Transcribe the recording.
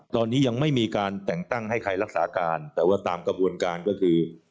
ตอนนี้ยังไม่มีการแต่งตั้งให้ใครรักษาการแต่ว่าตามกระบวนการก็คือ